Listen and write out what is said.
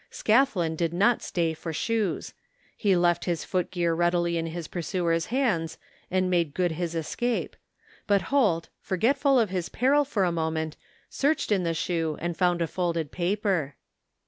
Scathlin did not stay for shoes. He left his footgear readily in his pursuer's hands and made good his escape, but Holt, forgetful of his peril for the moment, searched in the shoe and f oimd a folded paper.